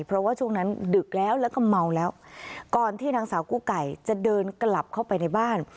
เพราะว่าช่วงนั้นดึกแล้วแล้วก็เมาแล้วก่อนที่นางสาวกู้ไก่จะเดินกลับเข้าไปในบ้าน